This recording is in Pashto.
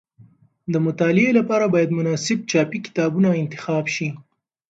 د مطالعې لپاره باید مناسب چاپي کتابونه انتخاب شي.